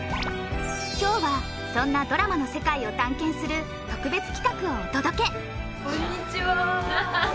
今日はそんなドラマの世界を探検する特別企画をお届けこんにちはああ